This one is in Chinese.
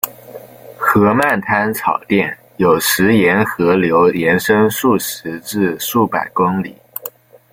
河漫滩草甸有时沿河流延伸数十至数百公里。